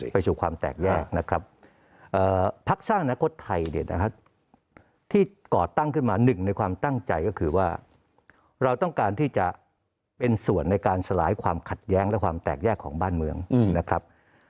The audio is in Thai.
ไปสู่ความแตกแยกนะครับพักสร้างอนาคตไทยเนี่ยนะครับที่ก่อตั้งขึ้นมาหนึ่งในความตั้งใจก็คือว่าเราต้องการที่จะเป็นส่วนในการสลายความขัดแย้งและความแตกแยกของบ้านเมืองนะครับ